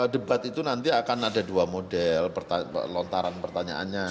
debat itu nanti akan ada dua model lontaran pertanyaannya